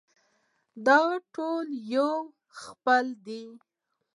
دا ټول یو خېل دي.